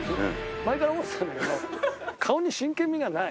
前から思ってたんだけど顔に真剣みがない。